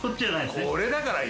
これだから今。